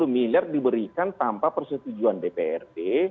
lima ratus enam puluh miliar diberikan tanpa persetujuan dprd